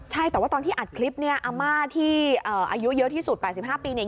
ใช่แต่ว่าตอนที่อัดคลิปเนี่ยอาม่าที่อายุเยอะที่สุด๘๕ปีเนี่ย